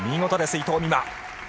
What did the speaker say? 伊藤美誠。